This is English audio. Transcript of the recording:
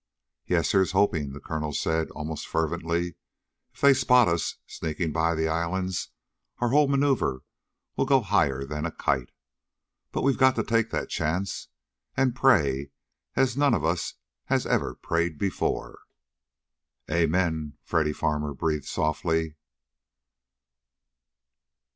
"Yes, here's hoping!" the colonel said almost fervently. "If they spot us sneaking by the Islands our whole maneuver will go higher than a kite. But we've got to take that chance, and pray as none of us has ever prayed before." "Amen!" Freddy Farmer breathed softly.